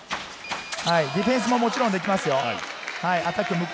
ディフェンスももちろんできますよ。